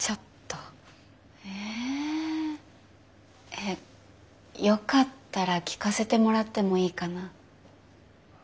えよかったら聞かせてもらってもいいかな？